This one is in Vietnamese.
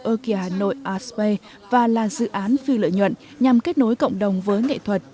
okia hà nội arts bay và là dự án phi lợi nhuận nhằm kết nối cộng đồng với nghệ thuật